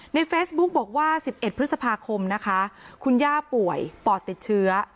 ในเฟซบุ๊กบอกว่า๑๑พฤษภาคมนะคะคุณย่าป่วยปอดติดเชื้อ